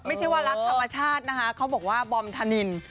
ไม่ใช่ว่ารักธรรมชาตินะคะเขาบอกว่าบอมธนิน